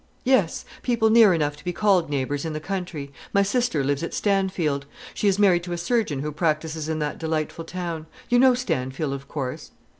"Yes; people near enough to be called neighbours in the country. My sister lives at Stanfield. She is married to a surgeon who practises in that delightful town. You know Stanfield, of course?"